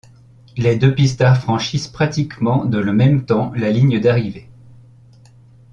Les deux pistards franchissent pratiquement dans le même temps la ligne d'arrivée.